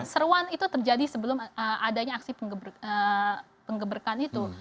seruan itu terjadi sebelum adanya aksi penggebrekan itu